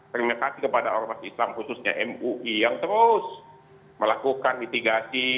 terima kasih kepada ormas islam khususnya mui yang terus melakukan mitigasi